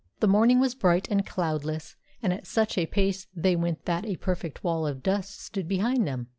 The morning was bright and cloudless, and at such a pace they went that a perfect wall of dust stood behind them.